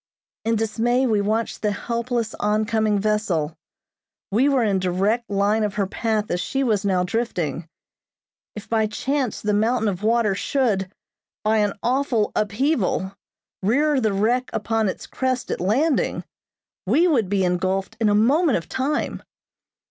In dismay we watched the helpless, on coming vessel. We were in direct line of her path as she was now drifting. If by chance the mountain of water should, by an awful upheaval, rear the wreck upon its crest at landing, we would be engulfed in a moment of time.